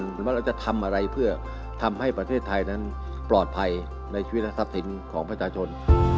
หรือว่าเราจะทำอะไรเพื่อทำให้ประเทศไทยนั้นปลอดภัยในชีวิตและทรัพย์สินของประชาชน